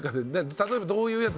たとえばどういうやつ？